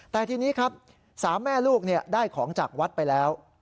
แต่ทีนี้ครับ๓แม่ลูกได้ของจากวัดไปแล้ว